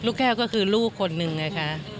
ลูกแก้วก็คือลูกคนนึงไงคะ